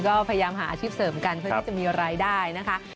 ก็พยายามหาอาชีพเสริมกันเพื่อที่จะมีรายได้นะคะ